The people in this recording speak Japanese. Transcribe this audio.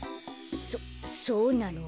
そそうなの？